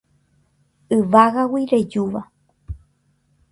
Yvágagui rejúva